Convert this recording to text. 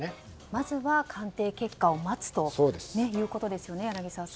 まずは鑑定結果を待つということですね、柳澤さん。